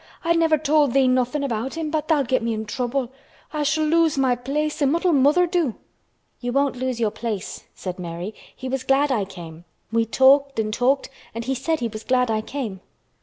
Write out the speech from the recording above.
I never told thee nothin' about him—but tha'll get me in trouble. I shall lose my place and what'll mother do!" "You won't lose your place," said Mary. "He was glad I came. We talked and talked and he said he was glad I came."